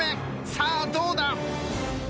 さあどうだ？